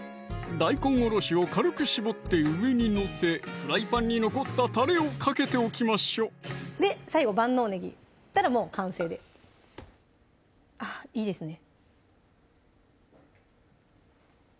大根おろしを軽く絞って上に載せフライパンに残ったたれをかけておきましょう最後万能ねぎもう完成ですあっいいですね